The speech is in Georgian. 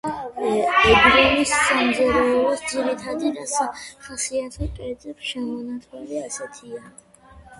ეგრული სამზარეულოს ძირითადი და სახასიათო კერძების ჩამონათვალი ასეთია